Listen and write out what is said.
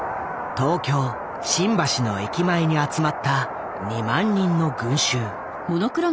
東京・新橋の駅前に集まった２万人の群衆。